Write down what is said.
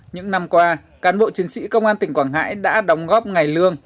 những năm qua cán bộ chiến sĩ công an tỉnh quảng ngãi đã đóng góp ngày lương